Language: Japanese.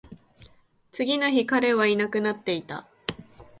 次の日、彼はいなくなっていた